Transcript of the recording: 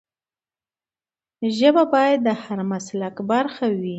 ژبه باید د هر مسلک برخه وي.